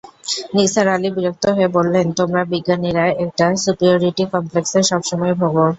নিসার আলি বিরক্ত হয়ে বললেন, তোমরা বিজ্ঞানীরা একটা সুপিরয়রিটি কমপ্লেক্সে সব সময় ভোগ।